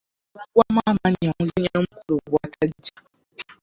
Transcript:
Abantu baggwamu amaanyi omugenyi omukulu bw'atajja.